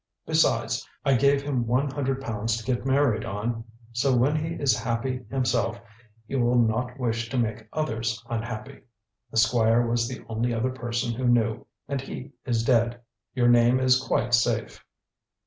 Besides, I gave him one hundred pounds to get married on, so when he is happy himself he will not wish to make others unhappy. The Squire was the only other person who knew, and he is dead. Your name is quite safe."